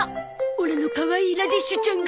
オラのかわいいラディッシュちゃんが。